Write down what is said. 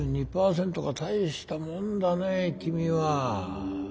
大したもんだね君は。